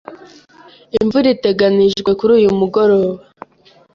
Imvura iteganijwe kuri uyu mugoroba.